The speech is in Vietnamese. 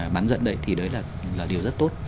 bán dẫn đấy thì đấy là điều rất tốt